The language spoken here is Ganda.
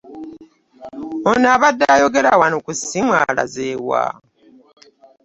Ono abade ayogera wano ku simu alaze wa?